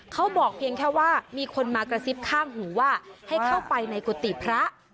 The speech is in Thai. เขาบอกเพียงแค่ว่ามีคนมากระซิบข้างหูว่าให้เข้าไปในกุฏิพระ